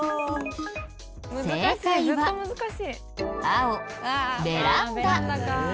正解は青ベランダ。